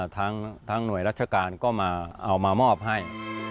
ทั้งหน่วยราชการก็มาเอามามอบให้